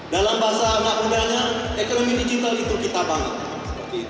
dalam bahasa anak mudanya ekonomi digital itu kita bangun